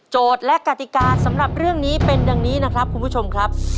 และกติกาสำหรับเรื่องนี้เป็นดังนี้นะครับคุณผู้ชมครับ